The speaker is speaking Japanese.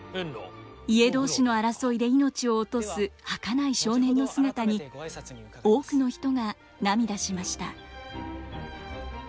家同士の争いで命を落とすはかない少年の姿に多くの人が涙しました。